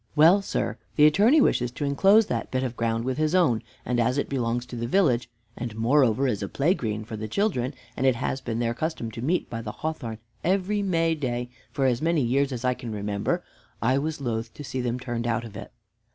Well, sir, the Attorney wishes to enclose that bit of ground with his own, and as it belongs to the village, and moreover is a play green for the children, and it has been their custom to meet by the hawthorn every Mayday for as many years as I can remember, I was loth to see them turned out of it."